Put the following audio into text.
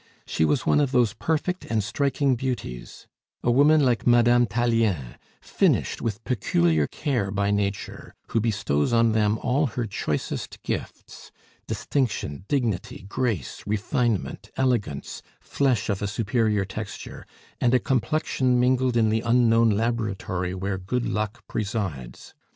She was one of those perfect and striking beauties a woman like Madame Tallien, finished with peculiar care by Nature, who bestows on them all her choicest gifts distinction, dignity, grace, refinement, elegance, flesh of a superior texture, and a complexion mingled in the unknown laboratory where good luck presides.